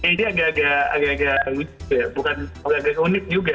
ini agak agak unik juga